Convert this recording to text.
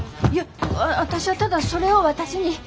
いや私はただそれを渡しに。